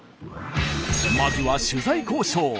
まずは取材交渉。